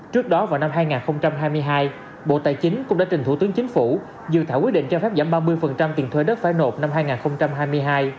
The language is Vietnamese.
trước đó vào năm hai nghìn hai mươi hai bộ tài chính cũng đã trình thủ tướng chính phủ dự thảo quyết định cho phép giảm ba mươi tiền thuê đất phải nộp năm hai nghìn hai mươi hai